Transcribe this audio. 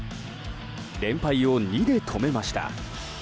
連敗を２で止めました。